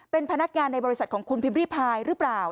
เป็นพนักงานในบริษัทของคุณพิมพรี่พายหรือเปล่า